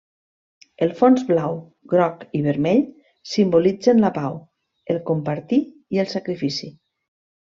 El fons blau, groc i vermell simbolitzen la Pau, el Compartir i el Sacrifici.